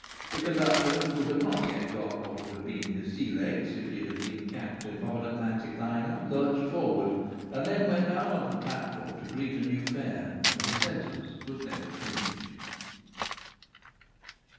The conductor, who had not yet got what would have been his sea legs if he had been captain of an Atlantic liner, lurched forward, and then went out on to the platform to greet a new fare, and his sentence was never finished.